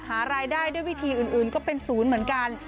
หารายได้ด้วยวิธีอื่นก็เป็นศูนย์เหมือนกัน